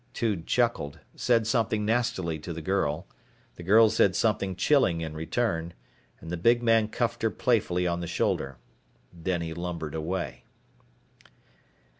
Tude chuckled, said something nastily to the girl, the girl said something chilling in return, and the big man cuffed her playfully on the shoulder. Then he lumbered away.